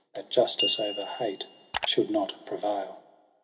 — That justice over hate should not prevail.